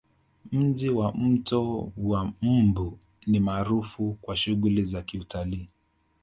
Mji wa mto wa mbu ni maarufu kwa shughuli za Kiutalii